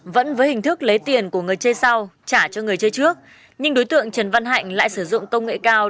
vẫn với hình thức lấy tiền của người chơi sau trả cho người chơi trước nhưng đối tượng trần văn hạnh lại sử dụng công nghệ cao